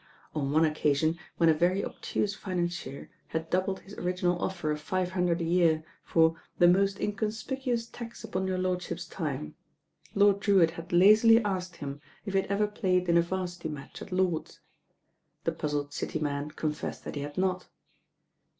On one occasion, when a very obtuse financier had doubled his original offer of five hundred a year for "the most inconspicuous tax upon your lordship's time," Lord Drewitt had lazily asked him if he had ever played in a 'varsity match at Lord's. The puzzled city man confessed that he had not.